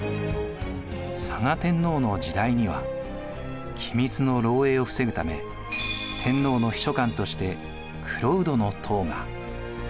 嵯峨天皇の時代には機密の漏えいを防ぐため天皇の秘書官として蔵人頭が。